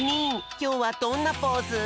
きょうはどんなポーズ？